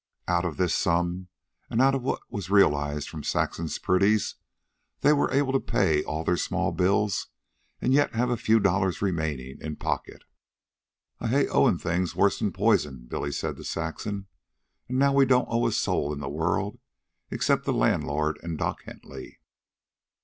Out of this sum, and out of what was realized from Saxon's pretties, they were able to pay all their small bills and yet have a few dollars remaining in pocket. "I hate owin' things worse 'n poison," Billy said to Saxon. "An' now we don't owe a soul in this world except the landlord an' Doc Hentley."